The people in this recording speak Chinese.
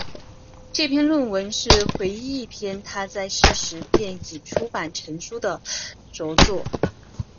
这篇论文是唯一一篇他在世时便已出版成书的着作。